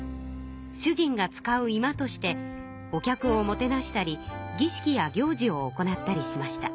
主人が使う居間としてお客をもてなしたり儀式や行事を行ったりしました。